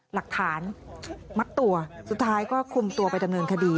หลักฐานมัดตัวสุดท้ายก็คุมตัวไปดำเนินคดี